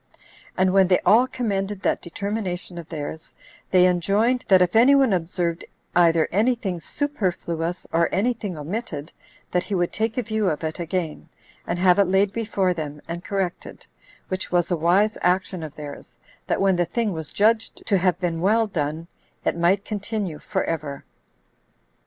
And when they all commended that determination of theirs, they enjoined, that if any one observed either any thing superfluous, or any thing omitted, that he would take a view of it again, and have it laid before them, and corrected; which was a wise action of theirs, that when the thing was judged to have been well done, it might continue for ever.